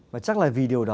và chắc là vì điều đó